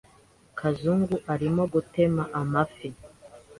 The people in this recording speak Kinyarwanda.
Kazungu arimo gutema amafi.